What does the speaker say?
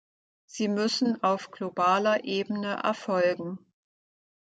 Sie müssen auf globaler Ebene erfolgen.